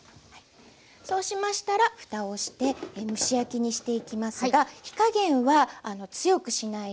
そうしましたらふたをして蒸し焼きにしていきますが火加減は強くしないで弱めでいって下さい。